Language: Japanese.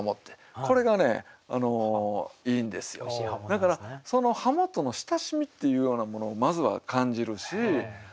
だからその鱧との親しみっていうようなものをまずは感じるし。